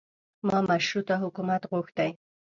ما مشروطه حکومت غوښتی.